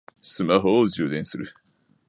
スマホを充電する